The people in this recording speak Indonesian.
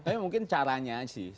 tapi mungkin caranya sih